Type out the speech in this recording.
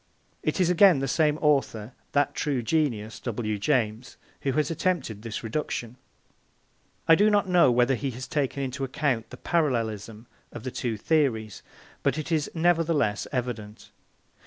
It is again the same author, that true genius, W. James, who has attempted this reduction. I do not know whether he has taken into account the parallelism of the two theories, but it is nevertheless evident.